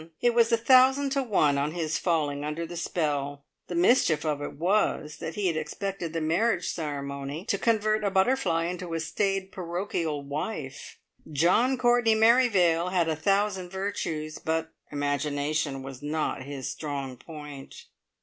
It was a thousand to one on his falling under the spell. The mischief of it was that he had expected the marriage ceremony to convert a butterfly into a staid, parochial wife. John Courtney Merrivale had a thousand virtues, but imagination was not his strong point.